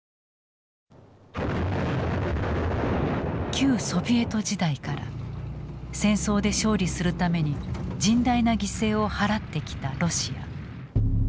旧ソビエト時代から戦争で勝利するために甚大な犠牲を払ってきたロシア。